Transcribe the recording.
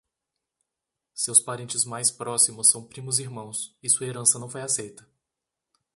Seus parentes mais próximos são primos irmãos e sua herança não foi aceita.